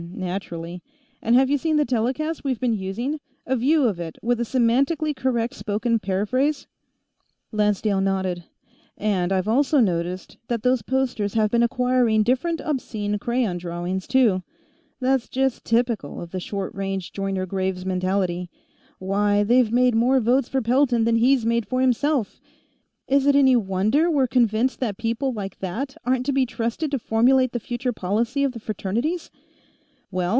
_" "Naturally. And have you seen the telecast we've been using a view of it, with a semantically correct spoken paraphrase?" Lancedale nodded. "And I've also noticed that those posters have been acquiring different obscene crayon drawings, too. That's just typical of the short range Joyner Graves mentality. Why, they've made more votes for Pelton than he's made for himself. Is it any wonder we're convinced that people like that aren't to be trusted to formulate the future policy of the Fraternities?" "Well